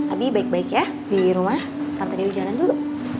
abie baik baik ya di rumah tante dewi jalan dulu